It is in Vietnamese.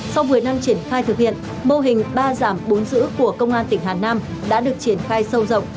sau một mươi năm triển khai thực hiện mô hình ba giảm bốn giữ của công an tỉnh hà nam đã được triển khai sâu rộng